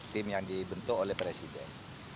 tim yang dibentuk oleh presiden